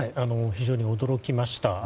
非常に驚きました。